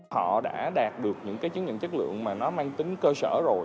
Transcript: họ đã đạt được những cái chứng nhận chất lượng mà nó mang tính cơ sở rồi